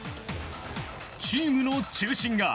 チームの中心が。